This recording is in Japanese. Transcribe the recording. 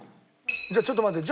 じゃあちょっと待って。